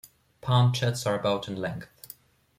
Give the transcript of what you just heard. Palmchats are about in length.